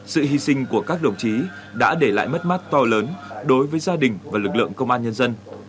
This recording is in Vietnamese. sự hy sinh của các đồng chí đã để lại mất mát to lớn đối với gia đình và lực lượng công an nhân dân